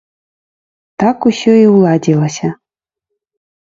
Так ўсё і ўладзілася.